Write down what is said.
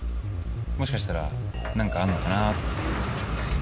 もしかしたら何かあんのかなあと思って。